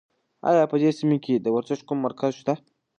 ایا په دې سیمه کې د ورزش کوم مرکز شته؟